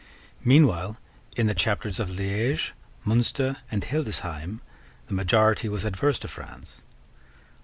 Meanwhile, in the Chapters of Liege, Munster, and Hildesheim, the majority was adverse to France.